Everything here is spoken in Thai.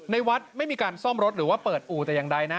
วัดไม่มีการซ่อมรถหรือว่าเปิดอู่แต่อย่างใดนะ